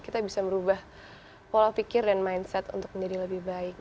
kita bisa merubah pola pikir dan mindset untuk menjadi lebih baik